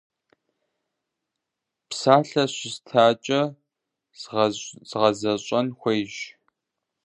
- Псалъэ щыстакӀэ, згъэзэщӀэн хуейщ.